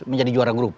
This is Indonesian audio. menjadi juara grup